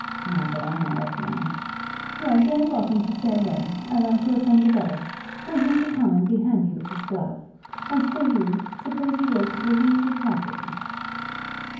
"Not that I know of, ma'am." "You are very welcome to stay away. I like your friend the better. Tell him to come and be handy with his glove. As for you, suppose you go to the leetle property."